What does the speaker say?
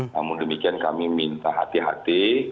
namun demikian kami minta hati hati